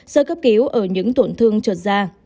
sơ cấp cứu ở những tổn thương trột da